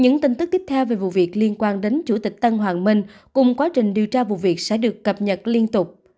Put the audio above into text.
những tin tức tiếp theo về vụ việc liên quan đến chủ tịch tân hoàng minh cùng quá trình điều tra vụ việc sẽ được cập nhật liên tục